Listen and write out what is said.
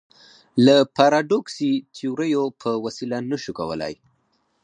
له پاراډوکسي تیوریو په وسیله نه شو کولای.